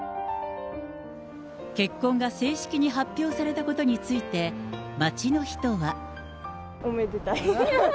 結婚が正式に発表されたことについて、おめでたい。